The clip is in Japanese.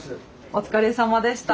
お疲れさまでした。